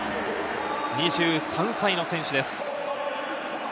２３歳の選手です。